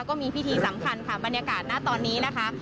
ก็มีพิธีสำคัญค่ะบรรยากาศณตอนนี้นะคะ